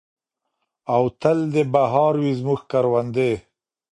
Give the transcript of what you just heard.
او تل دې بہار وي زموږ کروندې.